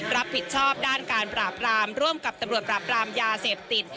รับผิดชอบด้านการปราบรามร่วมกับตำรวจปราบรามยาเสพติด